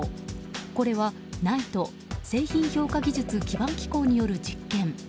これはＮＩＴＥ・製品評価技術基盤機構による実験。